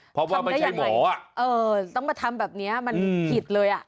พอว่าไม่ใช่หมออะเออต้องมาทำแบบเนี้ยมันผิดเลยอะ